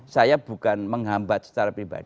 saya bukan menghambat secara pribadi